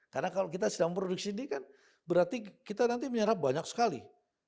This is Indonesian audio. karena kalau kita sedang memproduksi ini kan berarti kita nanti menyerap banyak sekali